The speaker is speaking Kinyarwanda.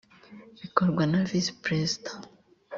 bikorwa na visi perezida